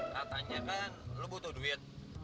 katanya kan lo butuh duit